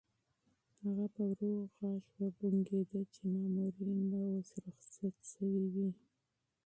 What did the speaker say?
هغه په ورو غږ وبونګېده چې مامورین به اوس رخصت شوي وي.